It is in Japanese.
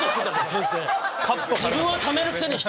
先生！